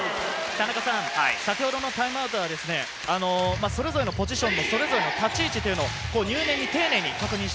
先ほどのタイムアウト、それぞれのポジションとそれぞれの立ち位置を入念に丁寧に確認し